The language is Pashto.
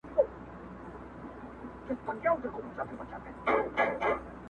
که به زما په دعا کیږي تا دی هم الله مین کړي؛